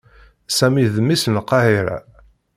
Sami d mmi-s n Lqahiṛa.